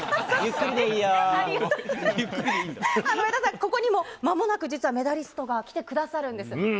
上田さん、ここにもまもなく実はメダリストが来てくださるんです。